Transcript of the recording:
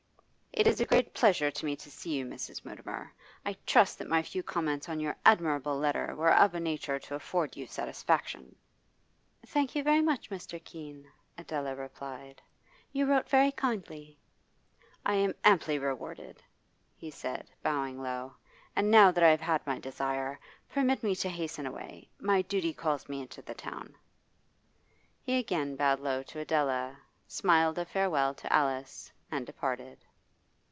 'It is a great pleasure to me to see you, Mrs. Mutimer. I trust that my few comments on your admirable letter were of a nature to afford you satisfaction.' 'Thank you very much, Mr. Keene,' Adela replied. 'You wrote very kindly.' 'I am amply rewarded,' he said, bowing low. 'And now that I have had my desire, permit me to hasten away. My duty calls me into the town.' He again bowed low to Adela, smiled a farewell to Alice, and departed.